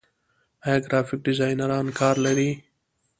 آیا ګرافیک ډیزاینران کار لري؟